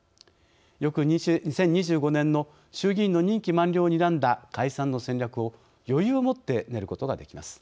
翌２０２５年の衆議院の任期満了をにらんだ解散の戦略を余裕をもって練ることができます。